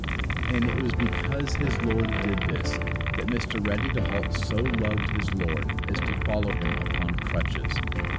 And it was because his Lord did this, that Mr. Ready to halt so loved his Lord as to follow Him upon crutches.